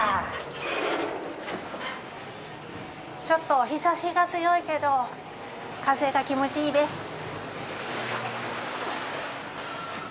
ちょっと日差しが強いけど、風が気持ちいいです。